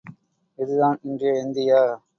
இது தான் இன்றைய இந்தியா?